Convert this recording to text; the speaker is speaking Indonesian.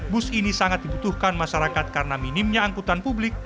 bus ini sangat dibutuhkan masyarakat karena minimnya angkutan publik